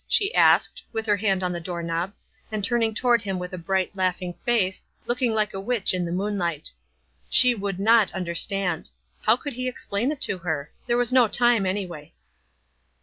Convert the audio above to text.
she asked, with her hand on the door knob, and turning toward hira with a bright, laughing face, looking like a witch in the moonlight. She luoidd not understand. How could he explain it to her? There was no time, anyway.